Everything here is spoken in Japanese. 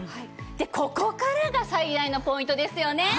でここからが最大のポイントですよね。